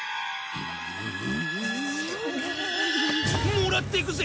もらってくぜ。